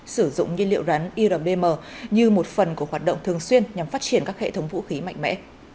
sử dụng nhiên liệu rắn irbm như một phần của hoạt động thường xuyên nhằm phát triển các hệ thống vũ khí mạnh mẽ